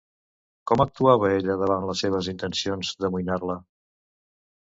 Com actuava ella davant les seves intencions d'amoïnar-la?